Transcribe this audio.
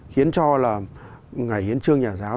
khiến cho là ngày hiến trương nhà giáo